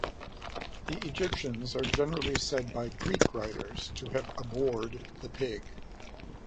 The Egyptians are generally said by Greek writers to have abhorred the pig.